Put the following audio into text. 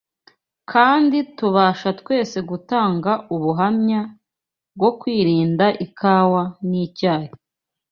Kandi tubasha twese gutanga ubuhamya bwo kwirinda ikawa n’icyayi